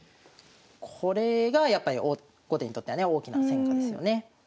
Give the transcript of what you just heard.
これがやっぱり後手にとってはね大きな戦果ですよね。